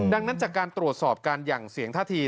ดังนั้นจากการตรวจสอบการหยั่งเสียงท่าที